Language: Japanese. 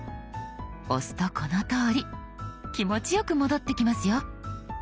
押すとこのとおり気持ちよく戻ってきますよ。